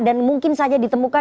dan mungkin saja ditemukan